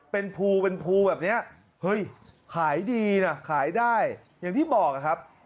เป็นภูเป็นภูแบบเนี้ยเฮ้ยขายดีนะขายได้อย่างที่บอกนะครับ